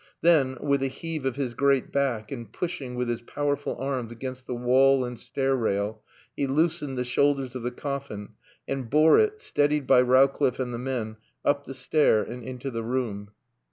Then, with a heave of his great back and pushing with his powerful arms against the wall and stair rail, he loosened the shoulders of the coffin and bore it, steadied by Rowcliffe and the men, up the stair and into the room.